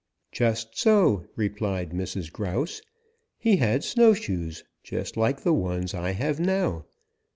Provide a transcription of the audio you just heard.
"Just so," replied Mrs. Grouse. "He had snowshoes just like the ones I have now.